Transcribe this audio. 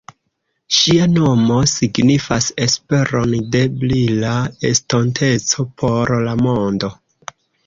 Ŝia nomo signifas esperon de brila estonteco por la mondo.